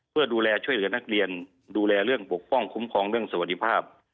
เพื่อดูแลช่วยเหลือนักเรียนดูแลเรื่องปกป้องคุ้มครองเรื่องสวัสดีภาพ